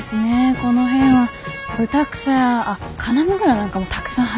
この辺はブタクサやカナムグラなんかもたくさん生えてるんで。